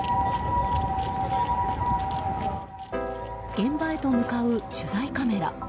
現場へと向かう取材カメラ。